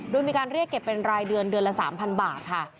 โดยมีการเรียกเก็บเป็นรายเดือนเดือนละ๓๐๐บาทค่ะ